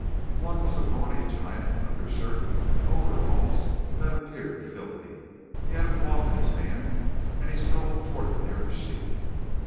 One was a brawny giant in undershirt and overalls that appeared filthy. He held a cloth in his hand and strode toward the nearest sheep.